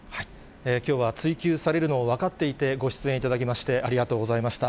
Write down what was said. きょうは追及されるのを分かっていてご出演いただきまして、ありがとうございました。